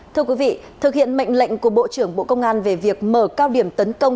thưa quý vị thực hiện mệnh lệnh của bộ trưởng bộ công an về việc mở cao điểm tấn công